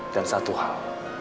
dan satu hal